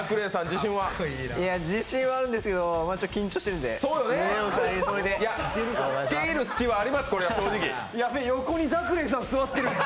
自信はあるんですけど、緊張してるので。